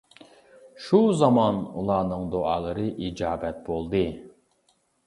شۇ زامان ئۇلارنىڭ دۇئالىرى ئىجابەت بولدى.